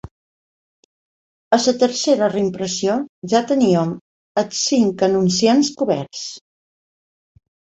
A la tercera reimpressió ja teníem els cinc anunciants coberts.